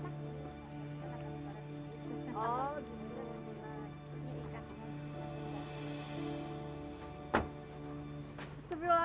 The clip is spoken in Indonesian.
nah ini lebih enak kan ya